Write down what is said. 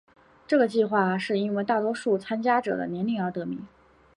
这个计画是因为大多数参加者的年龄而得名。